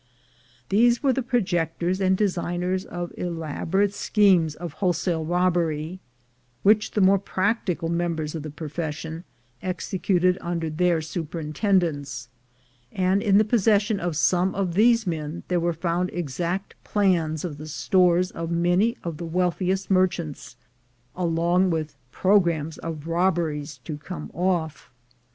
These were the projectors and designers of elaborate schemes of wholesale robbery, which the more practical mem bers of the profession executed under their superin tendence; and in the possession of some of these men there were found exact plans of the stores of many of the wealthiest merchants, along with programs of robberies to come off.